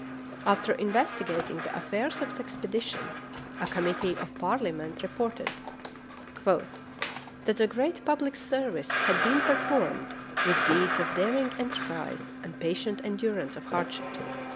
After investigating the affairs of the expedition, a committee of Parliament reported "that a great public service had been performed [with] deeds of daring en terprise and patient endurance of hardships."